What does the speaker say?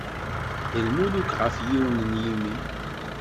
D lmuluk ɣef yiwen n yimi.